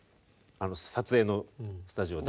撮影のスタジオで。